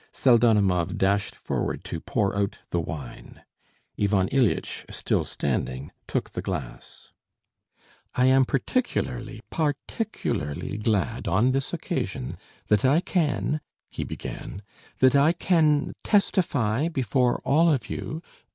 Pseldonimov dashed forward to pour out the wine. Ivan Ilyitch, still standing, took the glass. "I am particularly, particularly glad on this occasion, that I can ..." he began, "that I can ... testify before all of you....